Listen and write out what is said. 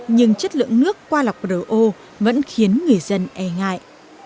nhưng chất lượng nước qua lọc rửa ô vẫn khiến người dân e ngại